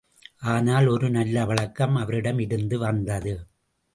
ஆனால், ஒரு நல்ல பழக்கம் அவரிடம் இருந்து வந்தது.